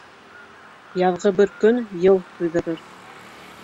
Яҙғы бер көн йыл туйҙырыр.